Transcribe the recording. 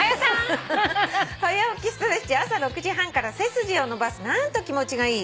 「『はや起きストレッチ』朝６時半から背筋を伸ばすなんと気持ちがいい。